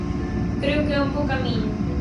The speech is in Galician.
Creo que é un bo camiño.